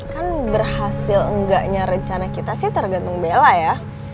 kan berhasil enggaknya rencana kita sih tergantung bela ya